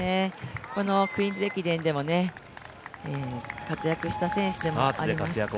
クイーンズ駅伝でも、活躍した選手でもあります。